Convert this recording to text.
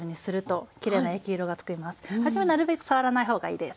初めなるべく触らない方がいいです。